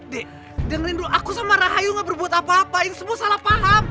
dek dengerin dulu aku sama rahayu gak berbuat apa apa yang semua salah paham